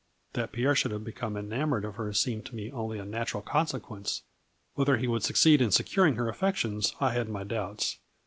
That Pierre should have become enamored of her seemed to me only a natural consequence ; whether he would succeed in securing her affections I had my doubts.